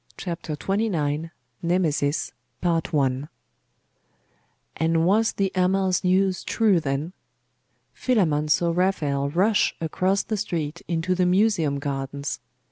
CHAPTER XXIX: NEMESIS And was the Amal's news true, then? Philammon saw Raphael rush across the street into the Museum gardens.